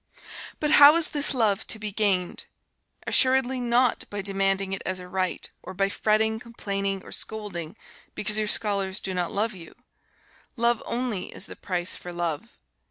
But how is this love to be gained? Assuredly, not by demanding it as a right, or by fretting, complaining, or scolding because your scholars do not love you. Love only is the price for love.